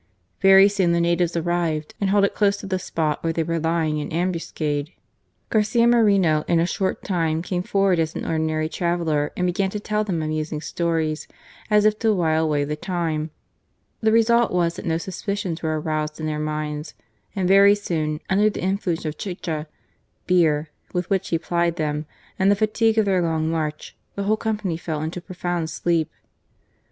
Very soon the natives arrived and halted close to the spot where they were lying in ambuscade. Garcia Moreno in a short time came forward as an ordinary traveller and began to tell them amusing stories, as if to while away the time* The result was that no suspicions were aroused in their minds ; and very soon, under the influence of the chicka (beer) with which he plied them, and the fatigue of their long march, the whole company fell into a profound sleep.